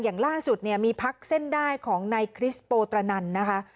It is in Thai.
อย่างล่าสุดเนี่ยมีพักเส้นได้ของนายคริสโปตรนันนะคะ